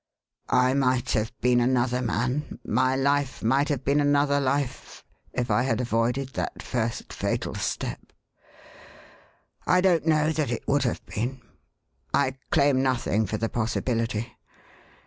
" I might have been another man, my life might have been another life, if I had avoided that first fatal step. I don't know that it would have been. I claim nothing for the possibility.